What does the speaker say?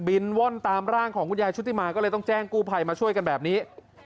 ว่อนตามร่างของคุณยายชุติมาก็เลยต้องแจ้งกู้ภัยมาช่วยกันแบบนี้